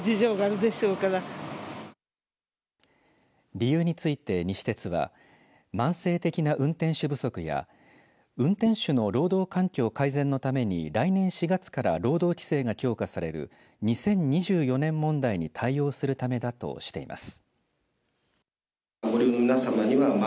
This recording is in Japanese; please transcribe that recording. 理由について西鉄は慢性的な運転手不足や運転手の労働環境改善のために来年４月から労働規制が強化される２０２４年問題に対応するためだとしています。